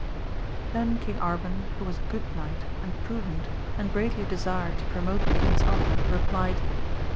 Then King Arban who was a good knight, and prudent, and greatly desired to promote the king's honour, replied.